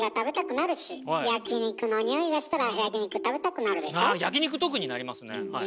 あ焼き肉特になりますねはい。